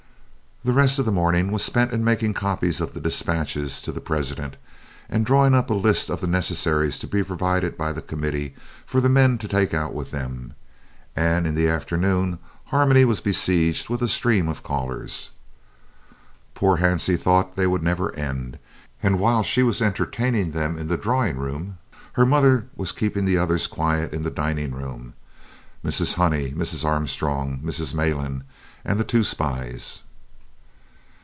The rest of the morning was spent in making copies of the dispatches to the President and drawing up a list of the necessaries to be provided by the Committee for the men to take out with them, and in the afternoon Harmony was besieged with a stream of callers. Poor Hansie thought they would never end, and while she was entertaining them in the drawing room her mother was keeping the others quiet in the dining room Mrs. Honey, Mrs. Armstrong, Mrs. Malan, and the two spies.